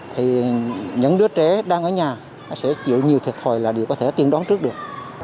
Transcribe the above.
thì những đứa trẻ đang ở nhà nó sẽ chịu nhiều thiệt thòi là điều có thể tiên đoán trước được